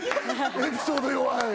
エピソード弱い！